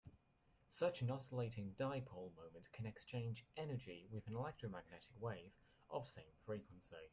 Such an oscillating dipole moment can exchange energy with an electromagnetic wave of same frequency.